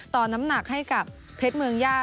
น้ำหนักให้กับเพชรเมืองย่า